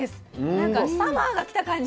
なんかサマーが来た感じ。